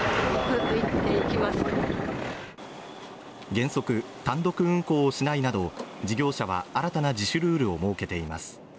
原則単独運航しないなど事業者は新たな自主ルールを設けています